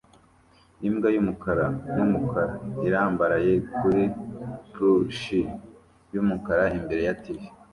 Imbwa yumukara numukara irambaraye kuri plushie yumukara imbere ya TV